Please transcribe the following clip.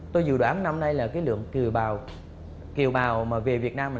tôi dự đoán năm nay là lượng kiều bào về việt nam